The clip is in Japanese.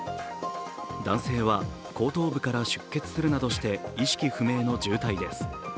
男性は後頭部から出血するなどして意識不明の重体です。